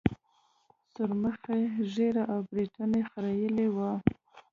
سورمخي ږيره او برېتونه خرييلي وو.